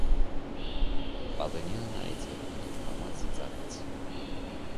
Բազենյանը նայեց Եվային և կամաց ծիծաղեց: